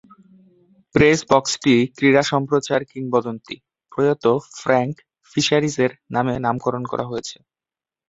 Press বক্সটি ক্রীড়া সম্প্রচার কিংবদন্তী প্রয়াত ফ্রাঙ্ক ফিসারিসের নামে নামকরণ করা হয়েছে।